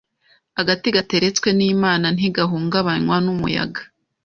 “Agati gateretswe n’Imana ntigahungabanywa n’umuyaga”,